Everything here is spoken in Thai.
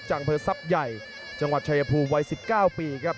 อำเภอทรัพย์ใหญ่จังหวัดชายภูมิวัย๑๙ปีครับ